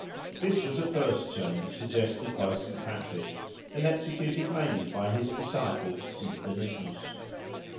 This was a first change suggested by Saint Patrick, and executed mainly by his disciple, Saint Benignus.